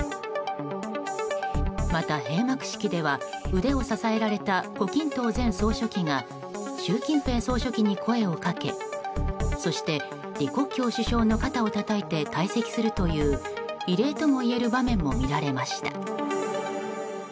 また、閉幕式では腕を支えられた胡錦涛前総書記が習近平総書記に声をかけそして李克強首相の肩をたたいて退席するという異例ともいえる場面も見られました。